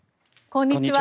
こんにちは。